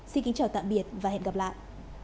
xin kính chào tạm biệt và hẹn gặp lại